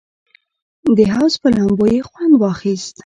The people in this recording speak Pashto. د حوض پر لامبو یې خوند واخیست.